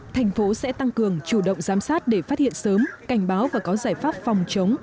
thành phố sẽ tăng cường chủ động giám sát để phát hiện sớm cảnh báo và có giải pháp phòng chống